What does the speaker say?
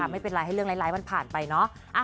ไม่เป็นไรให้เรื่องร้ายมันผ่านไปเนาะ